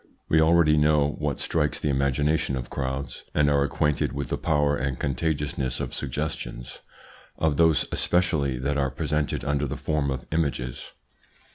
We already know what strikes the imagination of crowds, and are acquainted with the power and contagiousness of suggestions, of those especially that are presented under the form of images.